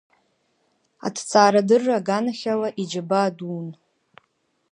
Аҭҵаарадырра аганахь ала иџьабаа дуун.